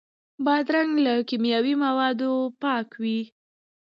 بادرنګ له کیمیاوي موادو پاک وي.